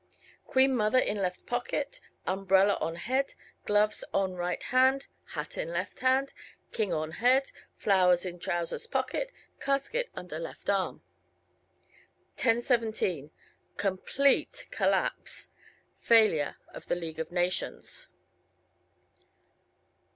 Queen Mother in left pocket, umbrella on head, gloves on right hand, hat in left hand, King on head, flowers in trousers pocket. Casket under left arm. 10:17 Complete collapse. Failure of the League of Nations.